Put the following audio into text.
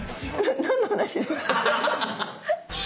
何の話です？